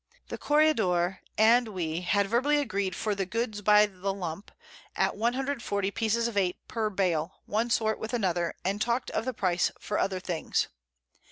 The Corregidore and we had verbally agreed for the Goods by the Lump, at 140 Pieces of Eight per Bale, one sort with another, and talked of the Price for other things.